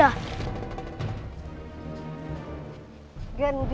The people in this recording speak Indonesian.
bayu jadi galang gitu ya